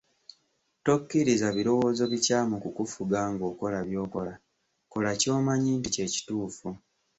Tokkiriza birowoozo bikyamu kukufuga ng’okola by’okola, kola ky’omanyi nti kye kituufu.